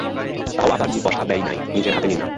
তাও আবার দুই পয়সা ব্যয় নাই, নিজের হাতে নির্মাণ।